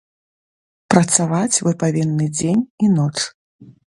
Працаваць вы павінны дзень і ноч.